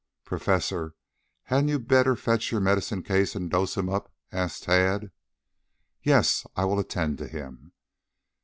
"Professor, hadn't you better fetch your medicine case and dose him up?" asked Tad. "Yes, I'll attend to him."